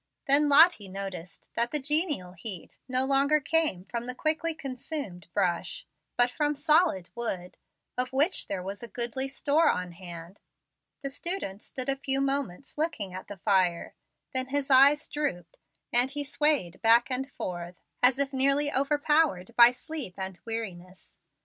Then Lottie noticed that the genial heat no longer came from the quickly consumed brush, but from solid wood, of which there was a goodly store on hand. The student stood a few moments looking at the fire; then his eyes drooped, and he swayed back and forth as if nearly overpowered by sleep and weariness.